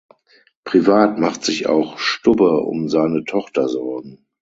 Privat macht sich auch Stubbe um seine Tochter Sorgen.